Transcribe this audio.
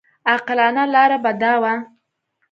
عاقلانه لاره به دا وه.